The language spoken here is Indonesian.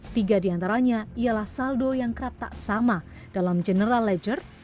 tiga diantaranya ialah saldo yang kerap tak sama dalam general ledger